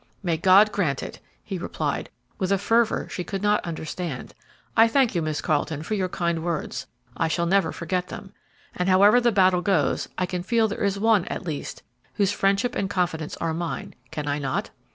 "May God grant it!" he replied, with a fervor she could not understand. "I thank you, Miss Carleton, for your kind words; I shall never forget them; and, however the battle goes, I can feel there is one, at least, whose friendship and confidence are mine, can I not?"